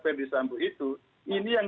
ferdisambu itu ini yang